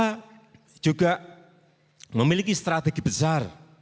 kita juga memiliki strategi besar